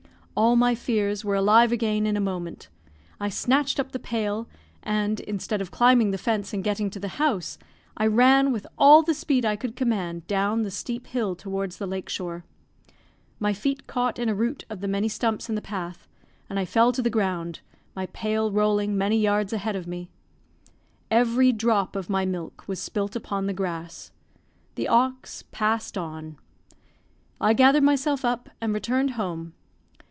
All my fears were alive again in a moment. I snatched up the pail, and, instead of climbing the fence and getting to the house, I ran with all the speed I could command down the steep hill towards the lake shore; my feet caught in a root of the many stumps in the path, and I fell to the ground, my pail rolling many yards a head of me. Every drop of my milk was spilt upon the grass. The ox passed on. I gathered myself up and returned home.